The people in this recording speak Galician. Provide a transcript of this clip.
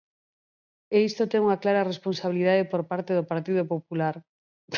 E isto ten unha clara responsabilidade por parte do Partido Popular.